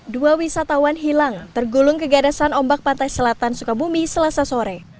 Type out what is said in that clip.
dua wisatawan hilang tergulung kegagasan ombak pantai selatan sukabumi selasa sore